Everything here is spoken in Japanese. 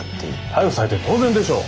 逮捕されて当然でしょう！